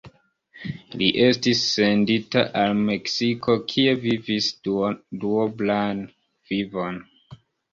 Li estis sendita al Meksiko, kie vivis duoblan vivon.